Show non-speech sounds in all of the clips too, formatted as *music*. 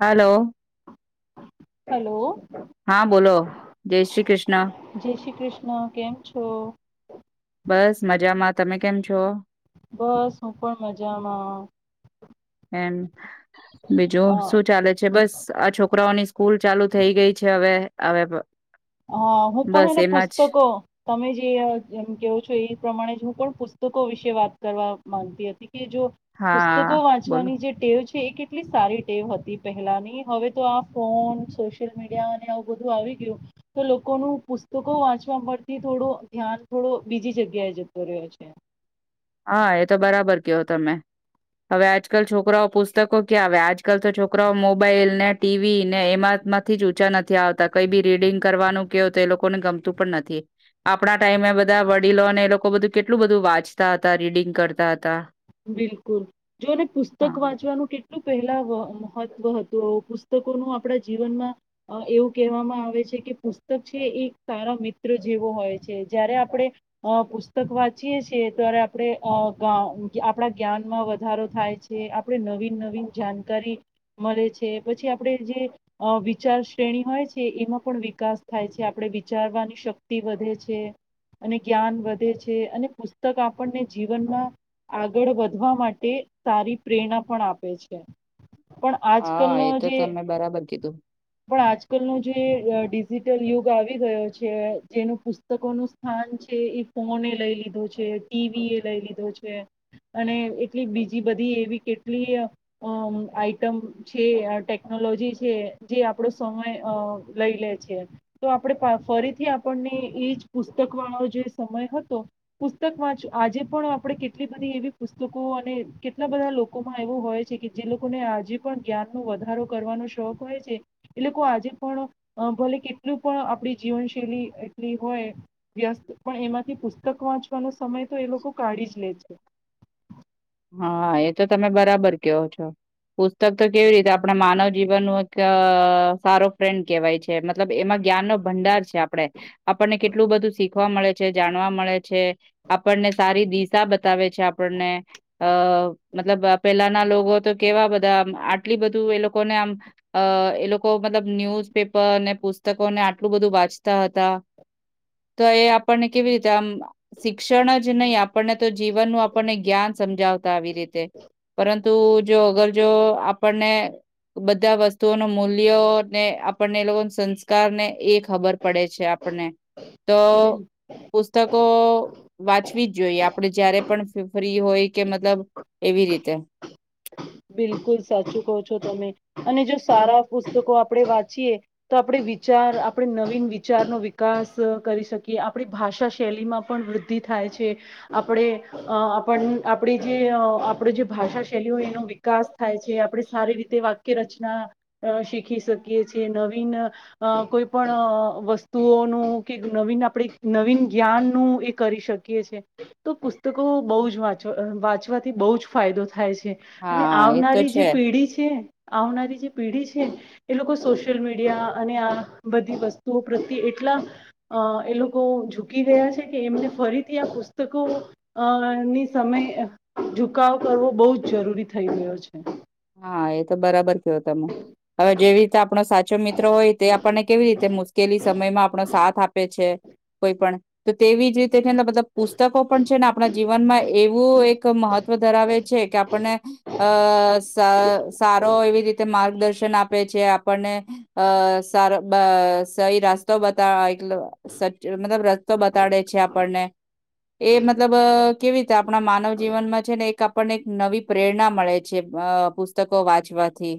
હાલો hello હા બોલો જય શ્રી કૃષ્ણ હ કેમ છો બસ મજામાં તમે કેમ છો બસ હું પણ મજામાં એમ બીજું અ, શું ચાલે છે બસ આ છોકરાઓની સ્કૂલ ચાલુ થઈ ગઈ છે અવે અવે હ હું પણ હેને પુસ્તકો તમે જેમ કેવો છો એ પ્રમાણે જ હું પણ પુસ્તકો વિશે વાત કરવા માંગતી હતી. કે જો હા પુસ્તકો બોલો વાંચવાની જે ટેવ એ કેટલી સારી ટેવ હતી પહેલાની હવે તો આ ફોન સોશિયલ મીડિયાને આવું બધું આવી ગયું. તો લોકોનું પુસ્તકો વાંચવા પરથી થોડો ધ્યાન થોડો બીજી જગ્યાએ જતો રહ્યો છે. હા એ તો બરાબર કહો તમે, હવે આજકાલ છોકરાઓ પુસ્તકો ક્યા આવે આજકાલ તો છોકરાઓ મોબાઈલ ને ટીવી ને એમાં માંથી જ ઊંચા નથી આવતા કઈ બી રીડિંગ કરવાનું કેહો તો એ લોકોને ગમતું પણ નથી, આપણા ટાઈમે બધા વડીલોને એ લોકો બધું કેટલું બધું વાંચ હતા રીડિંગ કરતા હતા. બિલકુલ, જો એને હા પુસ્તક વાંચવાનું કેટ પહેલા મહત્વ હતું પુસ્તકોનું આપણા જીવનમાં, એવું કહેવામાં આવે છે કે પુસ્તક છે એક સારા મિત્ર જેવો હોય છે જયારે આપણે, અ પુસ્તક વાંચીએ છીએ ત્યારે આપણે અ ગવ આપણા જ્ઞાનમાં વધારો થાય છે આપણે નવીન નવીન જાણકારી, મળે છે પછી આપણે જે વિચાર શ્રેણી હોય છે એમાં પણ વિકાસ થાય છે આપણે વિચારવાની શક્તિ વધે છે, અને જ્ઞાન વધે છે અને પુસ્તક આપણને જીવનમાં આગળ વધવા માટે સારી પ્રેરણા પણ આપે છે. પણ આજ કલ ન હા એ તો જે તમે બરાબર કીધું પણ આજ કલ ન જે ડિજિટલ યુગ આવી ગયો છે જેનું પુસ્તકોનું સ્થાન છે એ ફોન લઈ લીધો છે ટીવી એ લઈ લીધો છે. અને એટલી બીજી બધી એવી કેટલી આઈટમ છે ટેકનોલોજી છે જે આપણો સમય લઈ લે છે, તો આપણે ફરીથી આપણને એજ પુસ્તક વાળો જે સમય હતો, પુસ્તક વાં આજે પણ આપણે કેટલી બધી એવી પુસ્તકો અને કેટલા બધા લોકોમાં એવો હોય છે કે જે લોકોને આજે પણ જ્ઞાનનો વધારો કરવાનો શોખ હોય છે, એ લોકો આજે પણ ભલે કેટલું પણ આપણી જીવનશૈલી એટલી હોય વ્યસ્ત પણ એમાંથી પુસ્તક વાંચવાનો સમય તો એ લોકો કાઢી જ લે છે. હા એ તો તમે બરાબર કેહો છો, પુસ્તક તો કેવી રીતે આપણા માનવ જીવન નું એક સારો ફ્રેન્ડ કેવાય છે મતલબ એમાં જ્ઞાન નો ભંડાર છે આપડે, આપણને કેટલું બધું શીખવા મળે છે જાણવા મળે છે. આપણને સારી દિશા બતાવે છે આપણને અ મતલબ પેલાના લોકો તો કેવા બધા આટલી બધું એ લોકોને આમ, એ લોકો મતલબ ન્યુઝ પેપરને પુસ્તકોને આટલું બધું વાંચતા હતા, તો એ આપણને કેવી રીતે આમ શિક્ષણ જ નહી આપણને તો જીવનનું આપણને જ્ઞાન સમજાવ આવી રીતે, પરંતુ જો અગર જો આપણને બધા વસ્તુઓ ન મૂલ્ય ને આપણને એ લોકો સંસ્કાર ને એક ખબર પડે છે આપને, તો પુસ્તકો વાંચવી જ જોઈએ આપડે જયારે પણ ફ્રી હોય કે મતલબ એવી રીતે. બિલકુલ સાચું કહો છો તમે, અને જો સારા પુસ્તકો આપણેે વાંચીએ, તો આપડ વિચાર આપણે નવીન વિચારનો વિકાસ કરી શકીએ આપણી ભાષા શૈલી માં પણ વૃદ્ધિ થાય છે, આપણે આપણ આપડી જે આપણે જે ભાષા શૈલી હોય એનો વિકાસ થાય છે આપણે સારી રીતે વાક્ય રચના શીખી શકીએ છી નવીન, કોઈ પણ વસ્તુઓનું કે નવીન આપણે નવીન જ્ઞાનનું એ કરી શકીએ છે, તો પુસ્તકો બહુ જ વાંચવા વાંચવાથી બહુ જ ફાયદો થાય છે. અને હા એ તો આવનારી જે છે. પેઢી છે આવનારી જે પેઢી છે, એ લોકો સોશિયલ મીડિયા અને આ બધી વસ્તુઓ પ્રત્યે એટલા, એ લોકો ઝુકી રહયા છે કે એમને ફરીથી આ પુસ્તકો અની સમય ઝુકાવ કરવો બહુ જ જરૂરી થઈ ગયો છે. હા એ તો બરાબર કેયો તમે, હવે જેવી રીતે આપણો સાચો મિત્રો હોય તે આપણને કેવી રીતે મુશ્કેલી સમયમાં આપણો સાથ આપે છે, કોઈ પણ તો તેવી જ રીતે મલબ પુસ્તકો પણ છે ને આપણા જીવનમાં એવું એક મહત્વ ધરાવે છે કે આપણને, અ સારો એવી રીતે માર્ગદર્શન આપે છે આપણને, અ સાર સહી રસ્તો બતા મતલબ રસ્તો બતાડે છે આપણને, એ મતલબ કેવી રીતે આપણા માનવ જીવનમાં છે ને એક આપણને એક નવી પ્રેરણા મળે છે. પુસ્તકો વાંચવાથી.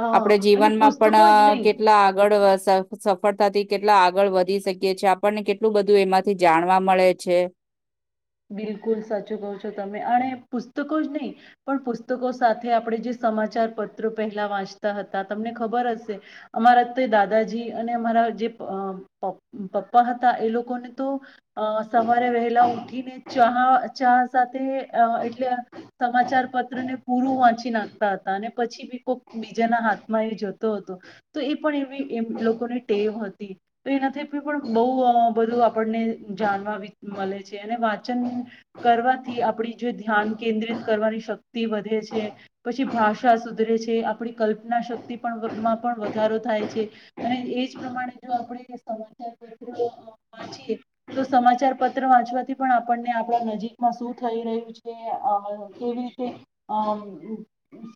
હ આપડે અને જીવનમાં પુસ્તકો જ પણ નહીં કેટલા આગળ સફળતાથી કેટલા આગળ વધી શકીએ છીએ આપણને કેટલું બધું એમાંથી જાણવા મળે છે બિલકુલ સાચું કહ છો તમે અને પુસ્તકો જ નહીં પણ પુસ્તકો સાથે આપણે જે સમાચાર પત્ર પહેલા વાંચતા હતા તમને ખબર હશે અમારા તે દાદાજી અને અમારા જે પપ્પા હતા એ લોકોને તો સવારે વહેલા ઉઠીને ચાહ ચા સાથે એટલે સમાચાર પત્ર ને પૂરું વાંચી નાખતા હતા અને પછી બી કોક બીજાના હાથમાં એ જતો હતો તો એ પણ એવી એ લોકોની ટેવ હતી તો એનાથી પણ બહુ બધું આપણને જાણવા મળે છે અને વાત કરવાથી આપડી જે ધ્યાન કેન્દ્રિત કરવાની શક્તિ વધે છે પછી ભાષા સુધરે છે આપણી કલ્પના શક્તિ પણમાં પણ વધારો થાય છે અને એજ પ્રમાણે જો આપણે સમાચાર પત્ર વાંચીએ તો સમાચાર પત્ર વાંચવાથી પણ આપણને આપણા નજીકમાં શું થઈ રહ્યું છે કેવી રીતે અ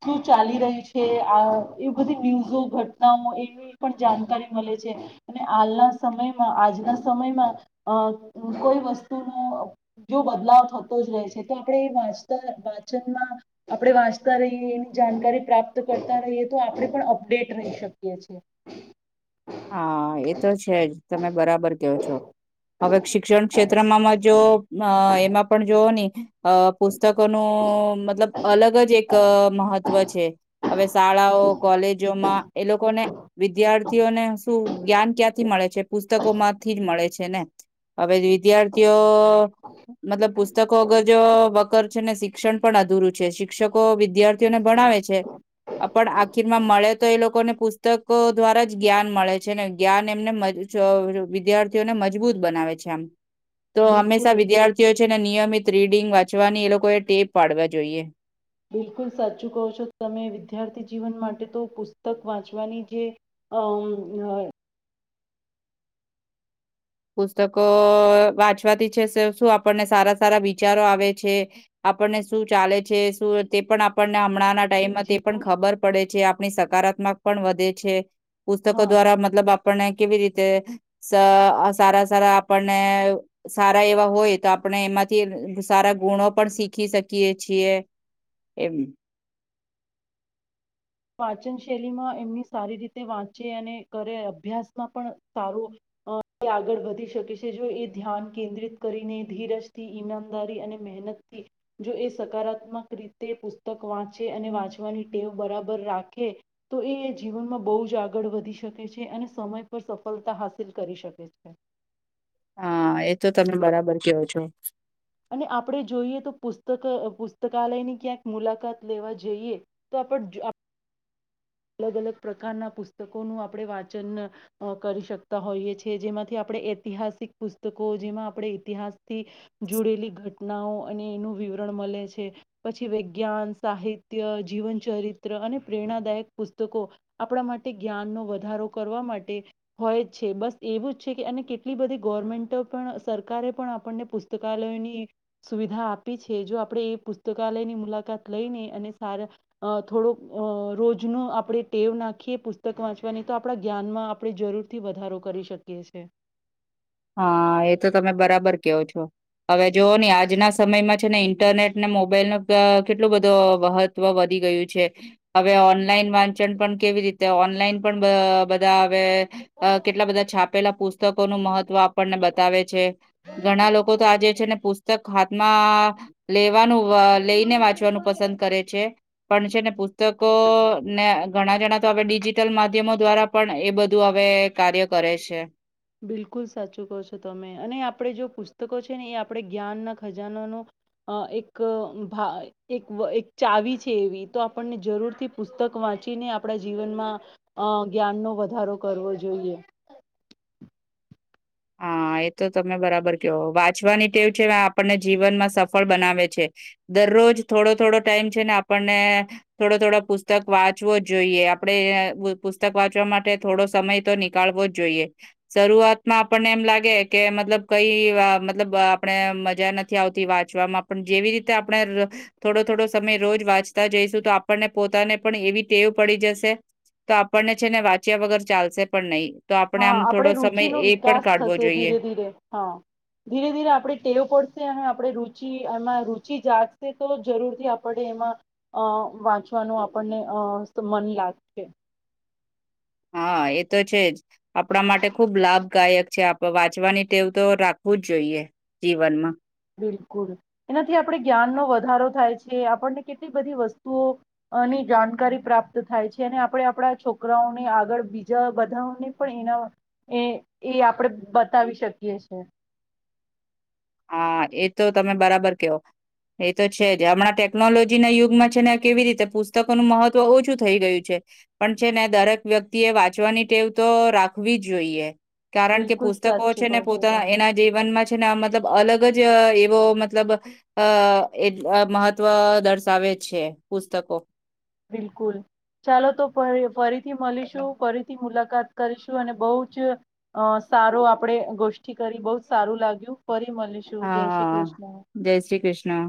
શું ચાલી રહ્યું છે આ એવી બધી ન્યૂઝો ઘટનાઓ એની પણ જાણકારી મળે છે અને હાલના સમયમાં આજના સમયમાં અ કોઈ વસ્તુનું જો બદલાવ થતો જ રહે છે તો આપણે વાચતા વાંચનમાં આપણે વાંચતા રહીએ એની જાણકારી પ્રાપ્ત કરતા રહીએ તો આપણે પણ અપડેટ રહી શકીએ છીએ હા એ તો છે જ તમે બરાબર કહો છો હવે શિક્ષણ ક્ષેત્રમાં માંજો અ એમાં પણ જોવો ને અ પુસ્તકોનું મતલબ અલગ જ એક મહત્વ છે હવે શાળાઓ કોલેજોમાં એ લોકોને વિદ્યાર્થીઓને તુ જ્ઞાન ક્યાંથી મળે છે પુસ્તકો માંથી જ મળે છે ને હવે વિદ્યાર્થીઓ મતલબ પુસ્તકો વગર જો વકર છે ને શીખ શિક્ષણ પણ અધુરું છે શિક્ષકો વિદ્યાર્થીઓને ભણાવે છે પણ આખીરમાં મળે તો એ લોકોને પુસ્તકો દ્વારા જ જ્ઞાન મળે છે છે ને જ્ઞાન એમને વિદ્યાર્થીઓને મજબૂત બનાવે છે આમ તો બિલકુલ હંમેશા વિદ્યાર્થીઓ છે ને નિયમિત તીડિંગ વાંચવાની એ લોકો એ ટેપ પાડવા જોઈએ બિલકુલ સાચું કહો છો તમે વિદ્યાર્થી જીવન માટે તો પુસ્તક વાંચવાની જે અમ પુસ્તકો વાંચવાથી છે શું આપણને સારા સારા વિચારો આવે છે આપણને શું ચાલે છે શું તે પણ આપણને હમણાં ટાઈમમાં તે પણ જીવન ખબર પડે છે આપણી સકારાત્મક પણ વધે છે પુસ્તકો હા દ્વારા મતલબ આપ આપણે કેવી રીતે સહ અસ સારા સારા આપણને સારા એવા હોય તો આપણે એમાંથી સારા ગુણો પણ શીખી શકીએ છીએ એમ વાંચન શૈલીમાં એમની સારી રીતે વાંચે અને કરે અભ્યાસમાં પણ સારું એ આગળ વધી શકે છે જો એ ધ્યાન કેન્દ્રિત કરીને ધીરજથી ઈમાનદારી અને મહેનતથી જો એ સકારાત્મક રીતે પુસ્તક વાંચે અને વાંચવાની ટેવ બરાબર રાખે તો એ જીવનમાં બહુ જ આગળ વધી શકે છે અને સમય પર સફળતા હાસિલ કરી શકે છે હા એ તો તમે બરાબર કયો છો અને આપણે જોઈએ તો પુસ્તક પુસ્તકાલયની ક્યાંક મુલાકાત લેવા જઈએ તો આપજ આપ અલગ અલગ પ્રકારના પુસ્તકોનું આપણે વાંચન કરી શકતા હોઈએ છીએ જેમાંથી આપણે ઐતિહાસિક પુસ્તકો જેમાં આપણે ઇતિહાસ થી જોડેલી ઘટનાઓ અને એનું વિવરણ મળે છે પછી વિજ્ઞાન સાહિત્ય જીવન ચરિત્ર અને પ્રેરણાદાયક પુસ્તકો આપણા માટે જ્ઞાનનો વધારો કરવા માટે હોય જ છે બસ એવું જ છે કે અને કેટલી બધી ગવર્મેન્ટો પણ સરકારે પણ આપણને પુસ્તકાલયોની સુવિધા આપી છે જો આપણે એ પુસ્તકાલયની મુલાકાત લઈને અને સારા થોડોક રોજ જનું આપણે ટેવ નાખીએ પુસ્તક વાંચવાની તો આપણા જ્ઞાનમાં આપણે જરૂરથી વધારો કરી શકીએ છીએ હા એ તો તમે બરાબર કહો છો હવે જોવો હી આજના સમયમાં છે ને ઈન્ટરનેટ ને મોબાઈલ ન કેટલું બધું મહત્વ વધી ગયું છે હવે ઓનલાઈન વાંચન પણ કેવી રીતે ઓનલાઇન પાઇણ અ બધા આવે કેટલા બધા છાપેલા પુસ્તક પુસ્તકોનું મહત્વ તો આપણને બતાવે છે ઘણા લોકો તો આ જેે છે ને પુસ્તક હાથમાં લેવાનું લઈને વાંચવાનું પસંદ કરે છે પણ છે ને પુસ્તકો ને ઘણા જણા તો હવે ડિજિટલ માધ્યમો દ્વારા પણ એ બધું હવે કાર્ય કરે છે બિલકુલ સાચું કહો છો તમે અને આપણે જો પુસ્તકો છે ને એ આપણે જ્ઞાનના ખજાનાનો એક ભા એક ચાવી છે એવી તો આપણને જરૂરથી પુસ્તક વાંચીને આપણા જીવનમાં અ જ્ઞાનનો વધારો કરવો જોઈએ હા એ તો તમે બરાબર કેવો વાંચવાની ટેવ છે આપણને જીવનમાં સફળ બનાવે છે દરરોજ થોડો થોડો ટાઈમ છે ને આપણને થોડો થોડો પુસ્તક વાંચવો જ જોઈએ આપડણે પુસ્તક વાંચવા માટે થોડો સમય તો નીકળવો જ જોઈએ શરૂઆતમાં આપણને એમ લાગે કે મતલબ કઈ મતલબ આપણે મજા નથી આવતી વાંચવામાંમાં પણ જેવી રીતે આપણે થોડો થોડો સમય રોજ વાંચતા જઈશું તો આપણને પોતાને પણ એવી ટેવ પડી જશે તો આપણને છે ને વાંચ્યા વગર ચાલશે પણ નહી તો આપણે આમ થોડો સમય એક *unintelligible* થસે ધીરે ધીરે હા ધીરે ધીરે આપડી ટેવ પડશે હા. પડે રુચિ એમાં રુચિ જાગશે તો જરૂરથી આપડે એમાં અ વાંચવાનું આપણને અ મન લાગશે. હા એ તો છે જ આપડા માટે ખુબ લાભદાયક છે આપ વાંચવાની ટેવ તો રાખવું જ જોઈએ જીવનમાં. બિલકુલ અને થી આપડે જ્ઞાન નો વધારો થાય છે. જે આપણને કેટલી બધી વસ્તુઓની જાણકારી પ્રાપ્ત થાય છે અને આપડે આપડા છોકરાઓને આગળ બીજા બધાઓને પણ એના એ એ આપડે બતાવી શકીએ છે. હા એ તો તમે બરાબર કેવો એ તો છે જ હમણાં ટેકનોલોજીના યુગમાં છે ને કેવી રીતે પુસ્તકોનું મહત્વ ઓછું થઈ ગયું છે પણ છે ને દરેક વ્યક્તિ એ વાંચવાની ટેવ તો રાખવી જોઈએ. કારણ કે બિલકુલ પુસ્તકો છે સાચું કહો ને છો પોતા તમે એના જીવનમાં છે ને આ મતલબ અલગ જ એવો મતલબ અ એ મહત્વ દર્શાવે છે પુસ્તકો. બિલકુલ ચાલો તો ફરીથી મળીશું ફરીથી મુલાકાત કરીશું અને બહુ જ સારો આપડે ગોષ્ઠી કરી બહુ જ સારું લાગ્યું. ફરી મલિશુ જય શ્રી હા કૃષ્ણ. જય શ્રી કૃષ્ણ